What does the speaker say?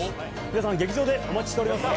皆さん劇場でお待ちしております